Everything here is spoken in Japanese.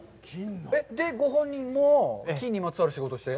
ご本人も、金にまつわる仕事をして？